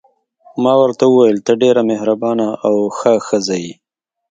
ما ورته وویل: ته ډېره مهربانه او ښه ښځه یې.